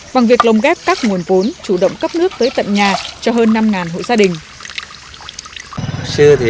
bằng việc lồng ghép các nguồn vốn chủ động cấp nước tới tận nhà cho hơn năm hộ gia đình